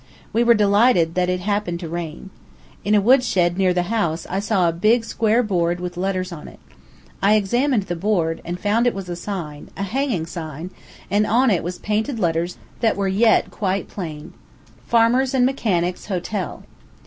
We were delighted that it happened to rain. In a wood shed, near the house, I saw a big square board with letters on it. I examined the board, and found it was a sign, a hanging sign, and on it was painted in letters that were yet quite plain: "FARMERS' AND MECHANICS' HOTEL."